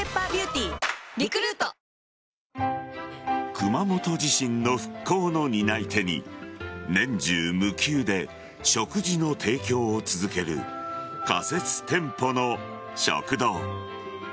熊本地震の復興の担い手に年中無休で食事の提供を続ける仮設店舗の食堂。